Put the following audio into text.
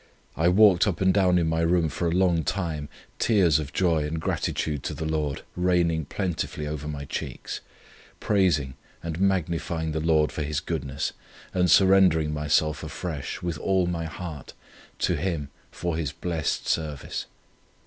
I walked up and down in my room for a long time, tears of joy and gratitude to the Lord raining plentifully over my cheeks, praising and magnifying the Lord for His goodness, and surrendering myself afresh, with all my heart, to Him for His blessed service.